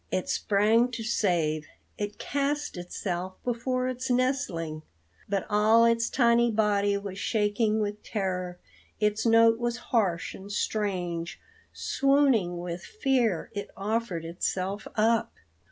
It sprang to save; it cast itself before its nestling, but all its tiny body was shaking with terror; its note was harsh and strange. Swooning with fear, it offered itself up!